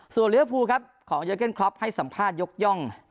ส่วนลิเวอร์ภูครับของเยอร์เก้นคล็อปให้สัมภาษยกย่อง